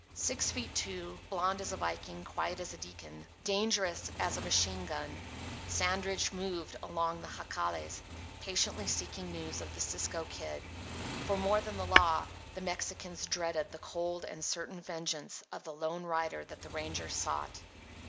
Six feet two, blond as a Viking, quiet as a deacon, dangerous as a machine gun, Sandridge moved among the Jacales, patiently seeking news of the Cisco Kid. Far more than the law, the Mexicans dreaded the cold and certain vengeance of the lone rider that the ranger sought.